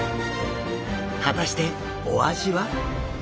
果たしてお味は？